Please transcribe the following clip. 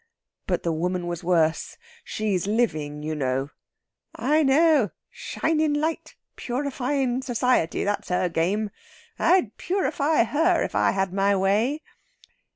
"But the woman was worse. She's living, you know...." "I know shinin' light purifying society that's her game! I'd purify her, if I had my way."